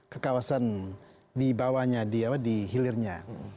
kekawasan di bawahnya di hilirnya